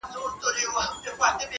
o نور ئې نور، عثمان ته هم غورځېدی٫